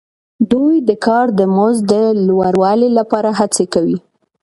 دوی د کار د مزد د لوړوالي لپاره هڅې کوي